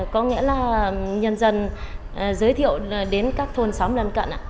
có nghĩa là nhà dân giới thiệu đến các thôn xóm gần cận